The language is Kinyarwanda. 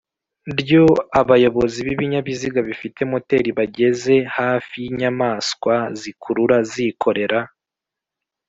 Lyo abayobozi b ibinyabiziga bifite moteri bageze hafi y inyamaswa zikurura zikorera